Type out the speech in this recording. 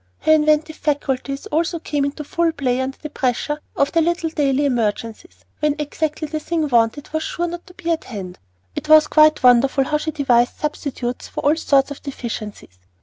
Her inventive faculties also came into full play under the pressure of the little daily emergencies, when exactly the thing wanted was sure not to be at hand. It was quite wonderful how she devised substitutes for all sorts of deficiencies.